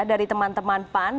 dari teman teman pan